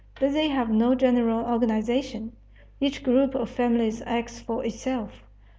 But they have no general organization. Each group of families acts for itself.